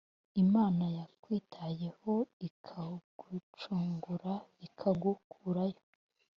Imana yakwitayeho ikagucungura ikagukurayo